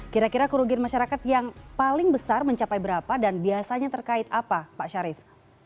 kira kira kerugian masyarakat yang paling besar mencapai berapa dan biasanya terkait apa pak syarif